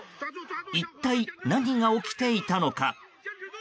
一体、何が起きていたのか。